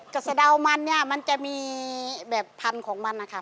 กับสะเดามันมันจะมีแบบพันธุ์ของมันค่ะ